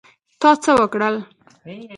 تا څه وکړل؟